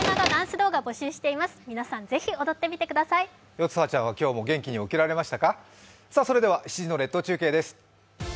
よつはちゃんは今日も元気に起きられましたか？